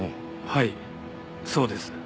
はいそうです。